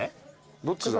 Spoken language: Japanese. どっちだ？